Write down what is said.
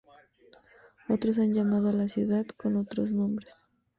Otros han llamado a la ciudad con otros nombres.